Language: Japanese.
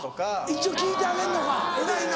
一応聞いてあげんのか偉いな。